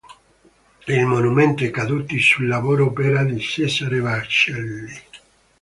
Il Monumento ai Caduti sul Lavoro opera di Cesare Baccelli.